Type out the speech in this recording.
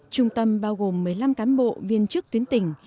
trung tâm bao gồm một mươi năm cán bộ viên chức tuyến tỉnh